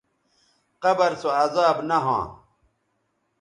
قبر سو عذاب نہ ھواں